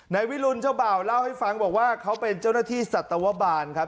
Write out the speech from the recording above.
นายวิรุณเจ้าบ่าวเล่าให้ฟังบอกว่าเขาเป็นเจ้าหน้าที่สัตวบาลครับ